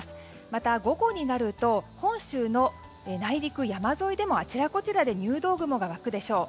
また午後になると本州の内陸山沿いでもあちらこちらで入道雲が湧くでしょう。